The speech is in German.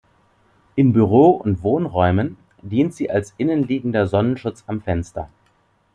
In Büro- und Wohnräumen dient sie als innenliegender Sonnenschutz am Fenster.